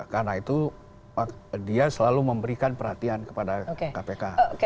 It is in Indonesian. karena itu dia selalu memberikan perhatian kepada kpk